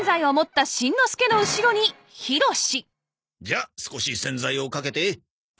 じゃあ少し洗剤をかけて。